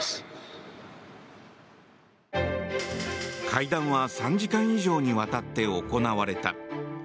会談は３時間以上にわたって行われた。